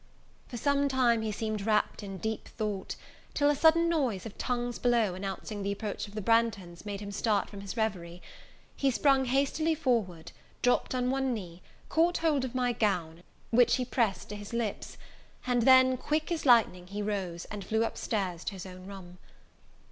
For some time he seemed wrapped in deep thought, till a sudden noise of tongues below announcing the approach of the Branghtons, made him start from his reverie: he sprung hastily forward, dropt on one knee, caught hold of my gown, which he pressed to his lips; and then, quick as lightning, he rose, and flew up stairs to his own room.